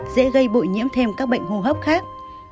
dễ gây bụi nhiễm thêm các bệnh hô hấp khác